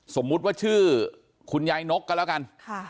สมมุติว่าชื่อคุณยายนกก็แล้วกัน